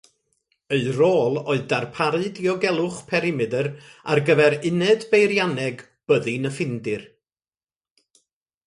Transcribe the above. Eu rôl oedd darparu diogelwch perimedr ar gyfer uned beirianneg Byddin y Ffindir.